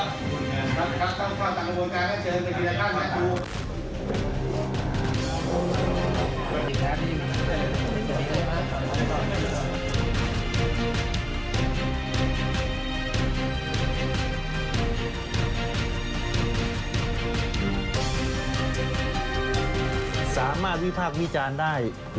ต้องเข้าต่างกระโบนการให้เจอ